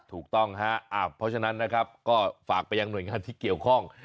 ถูกต้องฮะเพราะฉะนั้นนะครับก็ฝากไปยังหน่วยงานที่เกี่ยวข้อง